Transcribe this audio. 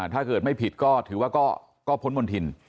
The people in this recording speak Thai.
ถ้าเกิดไม่ผิดก็ถือว่าก็พ้นมณฑิน